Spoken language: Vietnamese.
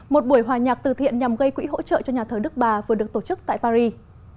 một buổi hòa nhạc từ thiện nhằm gây quỹ hỗ trợ cho nhà thờ đức bà vừa được tổ chức tại paris